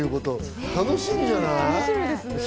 楽しみじゃない？